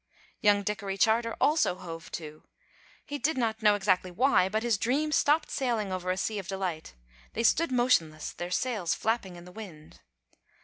Young Dickory Charter also hove to. He did not know exactly why, but his dream stopped sailing over a sea of delight. They stood motionless, their sails flapping in the wind.